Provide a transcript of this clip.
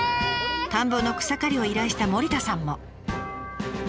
田んぼの草刈りを依頼した森田さんも。